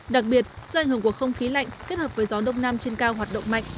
đặc biệt do ảnh hưởng của không khí lạnh kết hợp với gió đông nam trên cao hoạt động mạnh